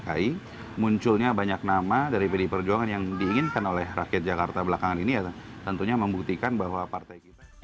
dki munculnya banyak nama dari pdi perjuangan yang diinginkan oleh rakyat jakarta belakangan ini ya tentunya membuktikan bahwa partai kita